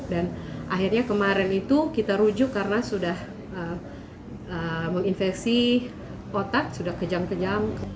dan akhirnya kemarin itu kita rujuk karena sudah menginfeksi otak sudah kejam kejam